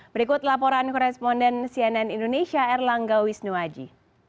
berikut laporan koresponden cnn indonesia erlangga wisnuwaji